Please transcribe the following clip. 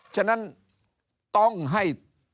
ฉะนั้นต้องให้